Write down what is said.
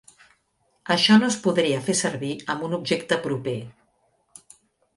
Això no es podria fer servir amb un objecte proper.